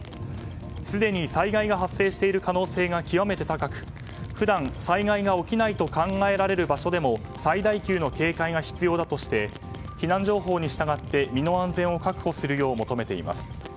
すでに災害が発生している可能性が極めて高く普段、災害が起きないと考えられる場所でも最大級の警戒が必要だとして避難情報に従って身の安全を確保するよう求めています。